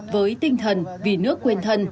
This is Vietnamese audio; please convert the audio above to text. với tinh thần vì nước quên thần